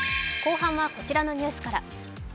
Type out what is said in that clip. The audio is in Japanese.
後半はこちらのニュースから。